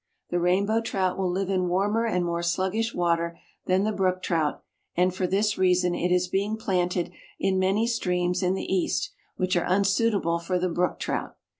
The Rainbow Trout will live in warmer and more sluggish water than the Brook Trout, and for this reason it is being planted in many streams in the east, which are unsuitable for the Brook Trout.